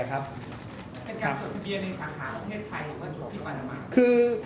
เป็นการจดทะเบียนในสังหาธุ์ประเทศไทยก่อนจบที่ปันมาก